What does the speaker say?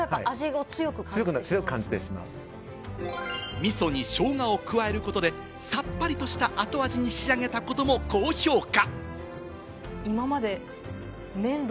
みそにショウガを加えることで、さっぱりとした後味に仕上げたことも高評価。